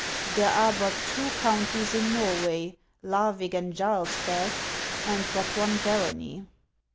— There are but two counties in Xorway, Larvig and Jarlsberg, and but one barony.